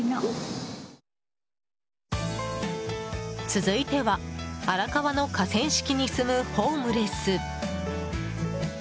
続いては、荒川の河川敷に住むホームレス。